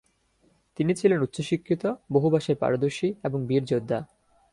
তিনি ছিলেন উচ্চশিক্ষিত, বহু ভাষায় পারদর্শী এবং বীর যোদ্ধা।